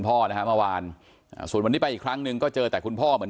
พ่อนะฮะเมื่อวานส่วนวันนี้ไปอีกครั้งหนึ่งก็เจอแต่คุณพ่อเหมือน